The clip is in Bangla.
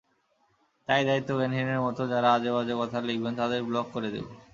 তাই দায়িত্বজ্ঞানহীনের মতো যাঁরা আজেবাজে কথা লিখবেন, তাঁদের ব্লক করে দেব।